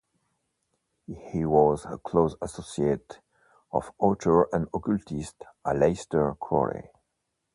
He was a close associate of author and occultist Aleister Crowley.